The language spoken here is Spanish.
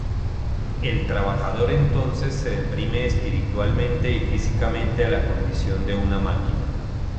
El trabajador entonces se "deprime espiritualmente y físicamente a la condición de una máquina".